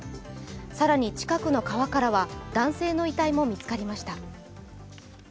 更に、近くの川からは男性の遺体も見つかりました。